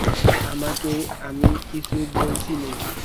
আপনাকে আমি কিছু বলছি নে।